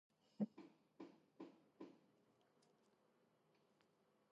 კახეთის მხარე სასოფლო–სამეურნეო რეგიონია, რომლის ძირითად საქმიანობას წარმოადგენს მევენახეობა.